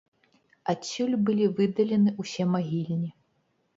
Адсюль былі выдалены ўсе магільні.